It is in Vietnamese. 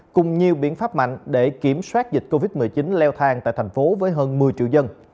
cùng nhiều biện pháp mạnh để kiểm soát dịch covid một mươi chín leo thang tại thành phố với hơn một mươi triệu dân